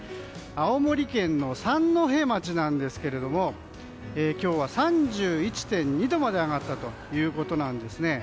青森県の三戸町なんですが今日は３１．２度まで上がったということなんですね。